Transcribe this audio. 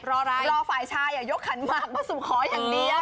รอฝ่ายชายยกขันหมากมาสู่ขออย่างเดียว